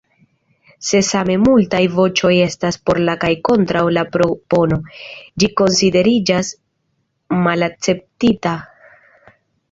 Se same multaj voĉoj estas por kaj kontraŭ la propono, ĝi konsideriĝas malakceptita.